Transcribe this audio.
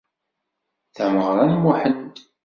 Tameɣra n Muḥend.